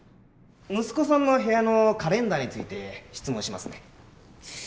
息子さんの部屋のカレンダーについて質問しますね。